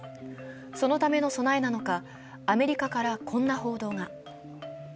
そのための備えなのか、アメリカからこんな報道が。